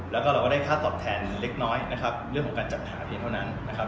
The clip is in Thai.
แล้วก็เราก็ได้ค่าตอบแทนเล็กน้อยนะครับเรื่องของการจัดหาเพียงเท่านั้นนะครับ